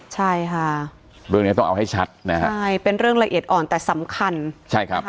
ใช่ค่ะเรื่องเนี้ยต้องเอาให้ชัดนะฮะใช่เป็นเรื่องละเอียดอ่อนแต่สำคัญใช่ครับ